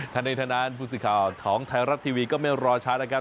ถ้าในทางนั้นพูดสิข่าวของไทยรัฐทีวีก็ไม่รอชาตินะคะ